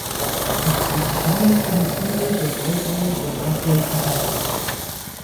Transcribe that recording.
Es blieb keine Lokomotive der Baureihe der Nachwelt erhalten.